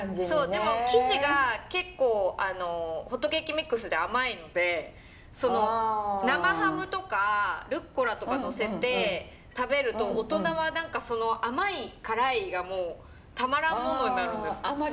そうでも生地が結構ホットケーキミックスで甘いので生ハムとかルッコラとか載せて食べると大人は何かその甘い辛いがもうたまらんものになるんですよ。